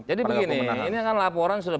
jadi begini ini kan laporan sudah